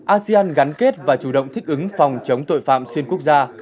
asean gắn kết và chủ động thích ứng phòng chống tội phạm xuyên quốc gia